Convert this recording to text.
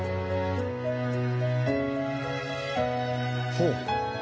ほう。